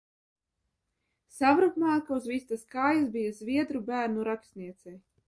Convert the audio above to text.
Savrupmāka uz vistas kājas bija zviedru bērnu rakstniecei.